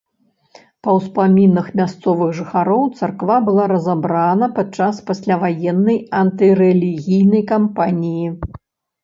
Па ўспамінах мясцовых жыхароў, царква была разабрана падчас пасляваеннай антырэлігійнай кампаніі.